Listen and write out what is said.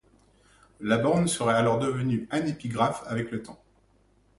La borne serait alors devenue anépigraphe avec le temps.